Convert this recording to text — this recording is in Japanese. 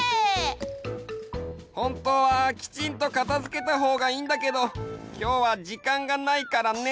ほんとうはきちんと片付けたほうがいいんだけどきょうはじかんがないからね。